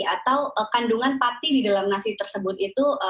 atau kandungan pati di dalam nasi tersebut itu